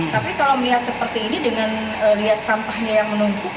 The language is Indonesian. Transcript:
tapi kalau melihat seperti ini dengan lihat sampahnya yang menumpuk